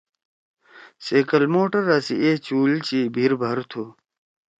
سائکل موٹرا سی اے چُول چھی، بِھر بھر تُھو۔